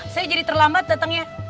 saya jadi terlambat datangnya